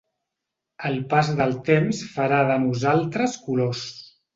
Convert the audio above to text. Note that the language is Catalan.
El pas del temps farà de nosaltres colors.